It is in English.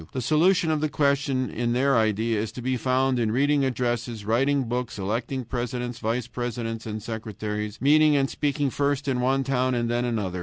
The solution of the question in their idea is to be found in reading addresses, writing books, electing presidents, vice presidents, and secretaries, and meeting and speaking first in one town and then in another.